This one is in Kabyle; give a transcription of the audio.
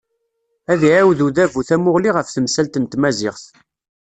Ad iɛiwed udabu tamuɣli ɣef temsalt n tmaziɣt.